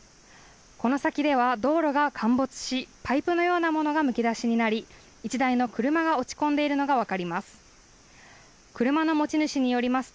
この先では道路が陥没しパイプのようなものがむき出しになり１台の車が落ち込んでいるのが分かります。